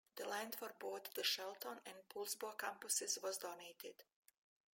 The land for both the Shelton and Poulsbo campuses was donated.